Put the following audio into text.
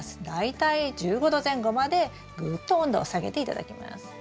大体１５℃前後までぐっと温度を下げて頂きます。